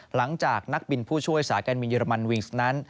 หลังจากนักบินผู้ช่วยสายการบินเรมันวิงส์นั้น